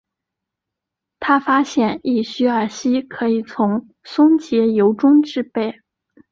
他发现异戊二烯可以从松节油中制备。